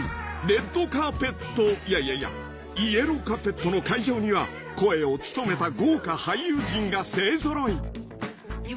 ［レッドカーペットいやいやいやイエローカーペットの会場には声を務めた豪華俳優陣が勢揃い］